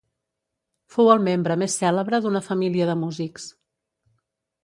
Fou el membre més cèlebre d'una família de músics.